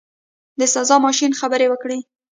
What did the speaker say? د سزا ماشین خبرې وکړې.